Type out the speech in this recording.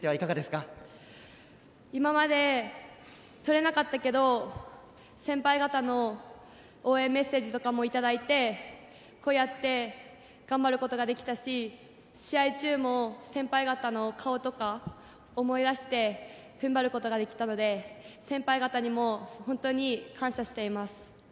今まで取れなかったけど先輩方の応援メッセージとかもいただいてこうやって頑張ることができたし試合中も先輩方の顔とか思い出して踏ん張ることができたので先輩方にも本当に感謝しています。